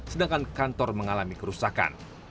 sedangkan kantor mengalami kerusakan